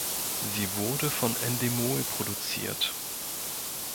Sie wurde von Endemol produziert.